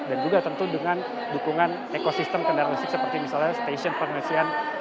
dan juga tentu dengan dukungan ekosistem kendaraan listrik seperti misalnya stasiun permesian